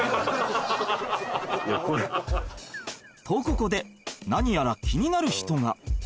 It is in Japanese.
［とここで何やら気になる人が］